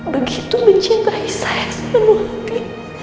begitu mencintai saya sepenuh hati